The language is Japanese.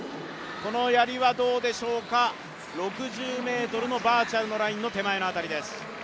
このやりは６０ｍのバーチャルのラインの手前の辺りです。